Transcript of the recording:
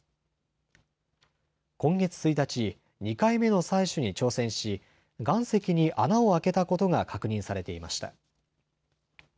今月１日、２回目の採取に挑戦し岩石に穴を開けたことが確認されていました。